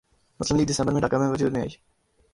مسلم لیگ دسمبر میں ڈھاکہ میں وجود میں آئی